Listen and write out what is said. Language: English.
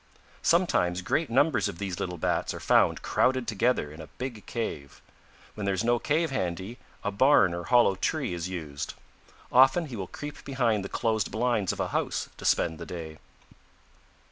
Sometimes great numbers of these little Bats are found crowded together in a big cave. When there is no cave handy, a barn or hollow tree is used. Often he will creep behind the closed blinds of a house to spend the day.